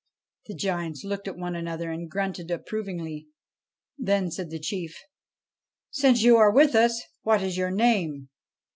The giants looked at one another and grunted approvingly. Then said the chief: ' Since you are with us, what is your name?'